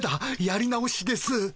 やり直しです。